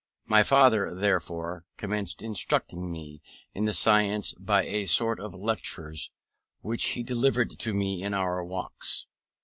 My father, therefore, commenced instructing me in the science by a sort of lectures, which he delivered to me in our walks.